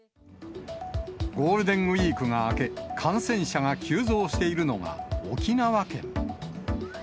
ゴールデンウィークが明け、感染者が急増しているのが沖縄県。